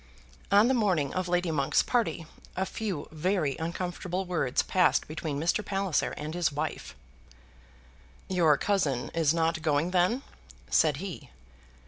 ] On the morning of Lady Monk's party a few very uncomfortable words passed between Mr. Palliser and his wife. "Your cousin is not going, then?" said he.